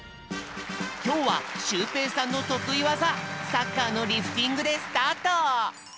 きょうはシュウペイさんのとくいわざサッカーのリフティングでスタート！